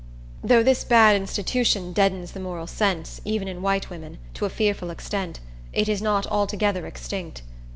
Though this bad institution deadens the moral sense, even in white women, to a fearful extent, it is not altogether extinct.